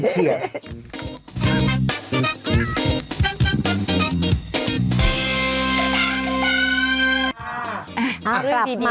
ใช่